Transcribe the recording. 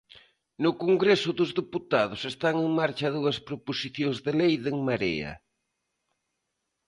No Congreso dos Deputados están en marcha dúas proposicións de lei de En Marea.